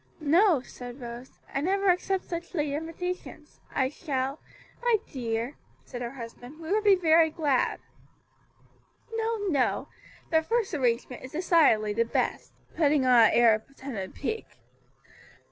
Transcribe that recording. "No," said Rose, "I never accept such late invitations; I shall " "My dear," said her husband, "we would be very glad." "No, no; the first arrangement is decidedly the best;" putting on an air of pretended pique.